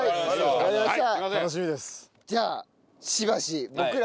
ありがとうございます。